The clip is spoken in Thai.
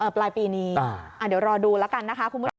ปลายปีนี้เดี๋ยวรอดูแล้วกันนะคะ